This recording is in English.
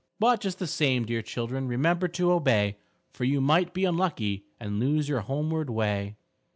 _But just the same, dear children, Remember to obey, For you might be unlucky And lose your homeward way.